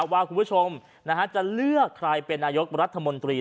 ว่าคุณผู้ชมจะเลือกใครเป็นนายกรัฐมนตรี